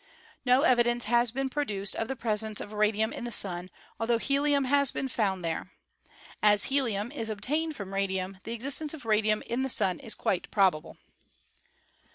No evidence has been pro duced of the presence of radium in the Sun, altho helium has been found there. As helium is obtained from radium, the existence of radium in the Sun is quite probable.